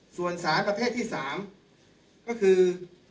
ส่วนสารประเภทที่๓ก็คือ